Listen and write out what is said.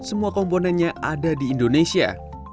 semua komponennya ada di indonesia